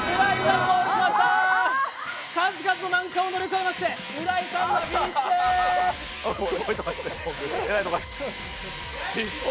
数々の難関を乗り越えました浦井さんがフィニッシュです！